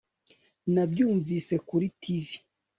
Nabyumvise kuri TV